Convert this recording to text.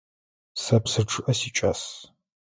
Сэ псы чъыӏэ сикӏас.